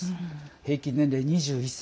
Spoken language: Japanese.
平均年齢２１歳。